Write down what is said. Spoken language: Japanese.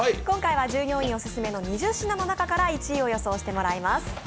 今回は従業員オススメの２０品の中から１位を予想してもらいます。